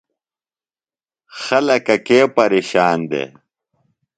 خلکہ کے پیرشان دےۡ؟